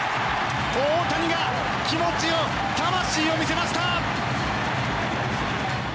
大谷が、気持ちを魂を見せました！